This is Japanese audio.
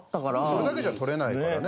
それだけじゃ取れないからね。